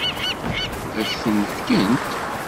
Ad k-ten-fkent?